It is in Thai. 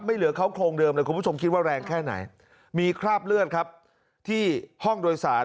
เหลือเขาโครงเดิมเลยคุณผู้ชมคิดว่าแรงแค่ไหนมีคราบเลือดครับที่ห้องโดยสาร